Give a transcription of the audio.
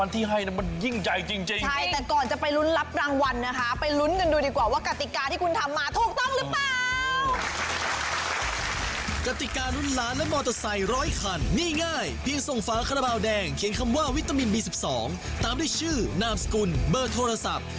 แต่ก่อนจะไปรุ้นรับรางวัลนะคะไปรุ้นกันดูดีกว่าว่ากติกาที่คุณทำมาถูกต้องหรือเปล่า